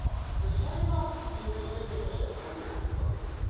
それがキム・ジョンウン政権としては足りないわけです。